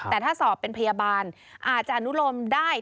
แต่ถ้าสอบเป็นพยาบาลอาจจะอนุโลมได้